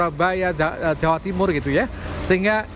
sehingga ini adalah tempat yang sangat penting untuk kita